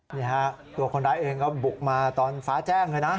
เนี่ยครับตัวคนร้ายอันแล้วก็บุกมาตอนฟ้าแจ้งนะ